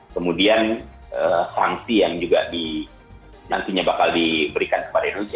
kemudian sanksi yang juga nantinya bakal diberikan kepada rusia